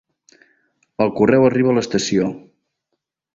El correu arriba a l'estació.